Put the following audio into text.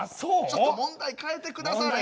ちょっと問題変えて下され。